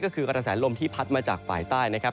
ก็คือกระแสลมที่พัดมาจากฝ่ายใต้นะครับ